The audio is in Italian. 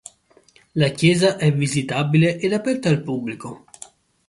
La chiesa è visitabile ed aperta al pubblico.